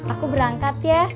aku berangkat ya